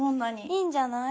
いいんじゃない？